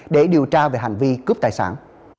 để điều tra về hành vi cướp tài sản